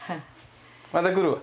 また来るわ。